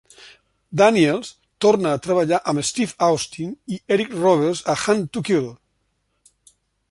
Daniels torna a treballar amb Steve Austin i Eric Roberts a Hunt to Kill.